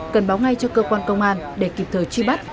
cần báo ngay cho cơ quan công an để kịp thời truy bắt